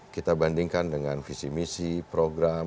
kita bandingkan dengan visi misi program